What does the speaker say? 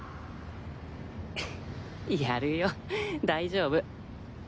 大丈夫。